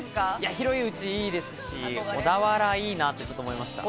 広いうちいいですし、小田原いいなって思いました。